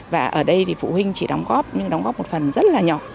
và ở đây thì phụ huynh chỉ đóng góp nhưng đóng góp một phần rất là nhỏ